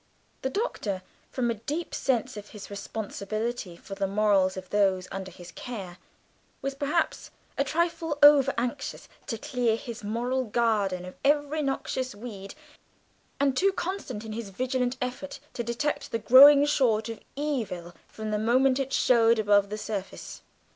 The Doctor, from a deep sense of his responsibility for the morals of those under his care, was perhaps a trifle over anxious to clear his moral garden of every noxious weed, and too constant in his vigilant efforts to detect the growing shoot of evil from the moment it showed above the surface.